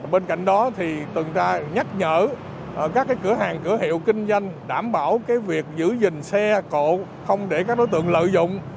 bên cạnh đó tuần tra nhắc nhở các cửa hàng cửa hiệu kinh doanh đảm bảo việc giữ gìn xe cộ không để các đối tượng lợi dụng